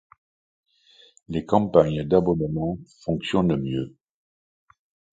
Les campagnes d'abonnement fonctionnent mieux.